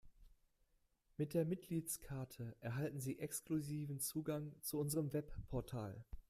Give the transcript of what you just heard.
Mit der Mitgliedskarte erhalten Sie exklusiven Zugang zu unserem Webportal.